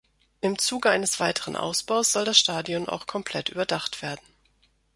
Im zuge eines weiteren Ausbaus soll das Stadion auch komplett überdacht werden.